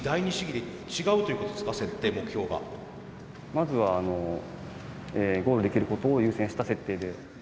まずはゴールできることを優先した設定で。